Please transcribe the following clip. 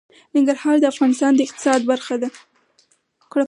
ننګرهار د افغانستان د اقتصاد برخه ده.